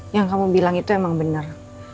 yang kamu bilang itu emang benar